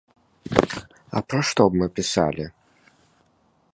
Пра што б мы пісалі?